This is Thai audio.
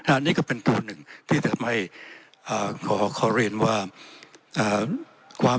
อ่านี่ก็เป็นตัวหนึ่งที่จะไม่อ่าขอขอเรียนว่าอ่าความ